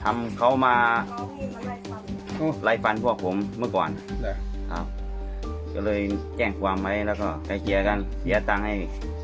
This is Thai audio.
ไร้ฝันพวกผมเมื่อก่อนแหละครับก็เลยแจ้งความไว้แล้วก็ไอเคียงกันเสียตังค์ให้